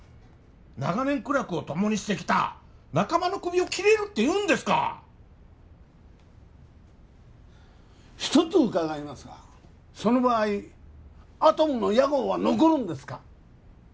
長年苦楽を共にしてきた仲間のクビを切れるっていうんですか一つ伺いますがその場合アトムの屋号は残るんですか